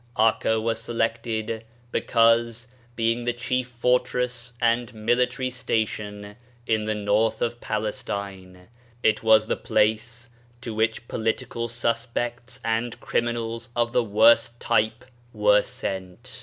Akka was selected because, being the chief fortress and military station in the north of Palestine, it was the place to which political suspects and criminals of the worst type were sent.